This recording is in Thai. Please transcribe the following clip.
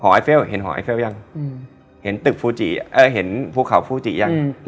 หอไอเฟลเห็นหอไอเฟลยังอืมเห็นตึกฟูจิเอ่อเห็นภูเขาฟูจิยังอืม